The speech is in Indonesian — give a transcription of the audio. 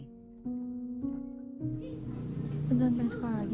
beneran pengen sekolah lagi